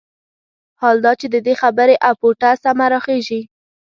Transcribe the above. حال دا چې د دې خبرې اپوټه سمه راخېژي.